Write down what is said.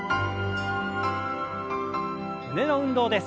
胸の運動です。